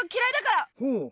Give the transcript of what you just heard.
ほう。